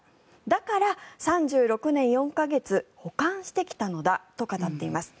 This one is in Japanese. だから、３６年４か月保管してきたのだと語っています。